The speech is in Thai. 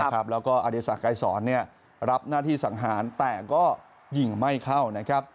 แล้วก็อดิษฐ์ไกลศรรพนาฏิศักดิ์สังหารแต่ก็ยิ่งไม่เข้า